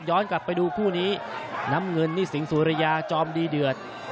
ย้อนกลับไปดูผู้หนีนำเงินนิสสิงษุเรยาจอมดีเดือด